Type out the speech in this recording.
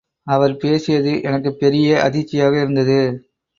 அவர் பேசியது எனக்குப் பெரிய அதிர்ச்சியாக இருந்தது.